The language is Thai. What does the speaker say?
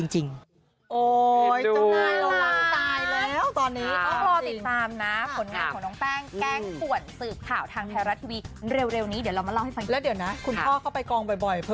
จริง